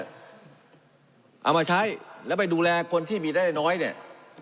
เอามาใช้แล้วไปดูแลคนที่มีได้น้อยเนี่ย